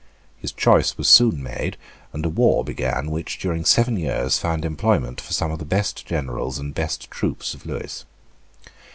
His choice was soon made; and a war began which, during seven years, found employment for some of the best generals and best troops of Lewis.